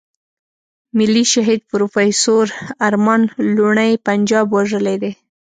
ملي شهيد پروفېسور ارمان لوڼی پنجاب وژلی دی.